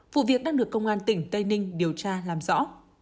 vụ việc đang được công an tỉnh tây ninh điều tra làm rõ